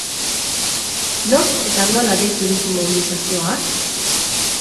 Nork eta nola deitu ditu mobilizazioak?